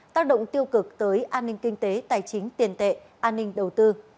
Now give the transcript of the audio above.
tác động tiêu cực tới an ninh kinh tế tài chính tiền tệ an ninh đầu tư